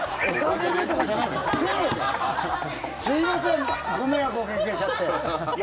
すみませんご迷惑をおかけしちゃって。